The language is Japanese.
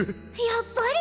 やっぱり！